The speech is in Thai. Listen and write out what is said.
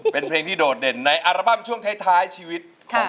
เป็นเพลงที่โดดเด่นในอัลบั้มช่วงท้ายชีวิต